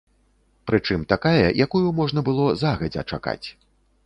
Прычым такая, якую можна было загадзя чакаць.